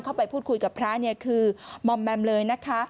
เข้าไปพูดคุยกับพระเนี่ยคือมอมแมมเลยนะคะ